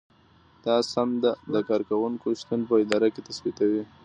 دا سند د کارکوونکي شتون په اداره کې تثبیتوي.